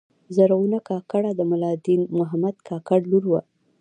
زرغونه کاکړه د ملا دین محمد کاکړ لور وه.